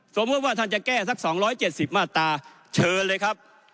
สมมุติว่าท่านจะแก้สักสองร้อยเจ็ดสิบมาตราเชิญเลยครับ